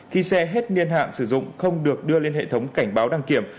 khi xe hết niên hạn sử dụng không được đưa lên hệ thống cảnh báo đăng kiểm